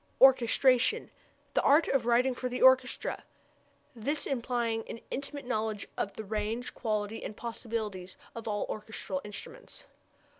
Orchestration the art of writing for the orchestra, this implying an intimate knowledge of the range, quality, and possibilities of all the orchestral instruments.